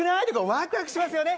ワクワクしますよね。